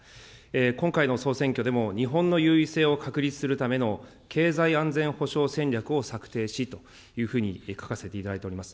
今回の総選挙でも、日本の優位性を確立するための経済安全保障戦略を策定しというふうに書かせていただいております。